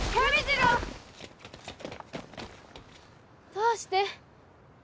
どうして？